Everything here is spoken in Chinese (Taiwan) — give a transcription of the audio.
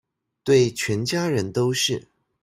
對全家人都是